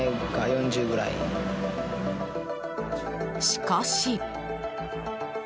しかし。